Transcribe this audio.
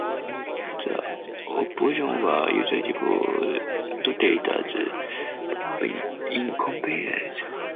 The opposition were usually portrayed as bumbling incompetents.